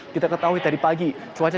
kita ketahui tadi pagi cuaca